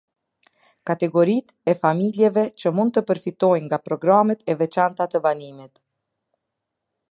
Kategoritë e familjeve që mund të përfitojnë nga programet e veçanta të banimit.